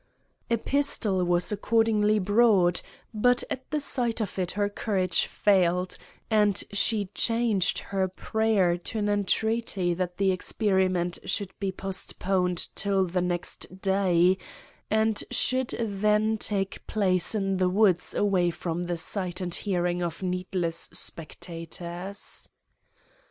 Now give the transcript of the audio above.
A pistol was accordingly brought; but at sight of it her courage failed, and she changed her prayer to an entreaty that the experiment should be postponed till the next day, and should then take place in the woods away from the sight and hearing of needless spectators.